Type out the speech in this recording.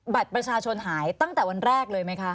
บัตรประชาชนหายตั้งแต่วันแรกเลยไหมคะ